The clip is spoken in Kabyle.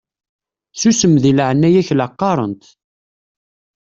Susem deg leɛnaya-k la qqaṛent!